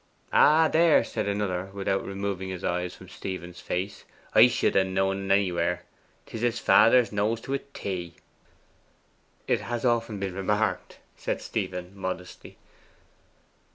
'Ay, there,' said another, without removing his eyes from Stephen's face, 'I should ha' knowed en anywhere. 'Tis his father's nose to a T.' 'It has been often remarked,' said Stephen modestly.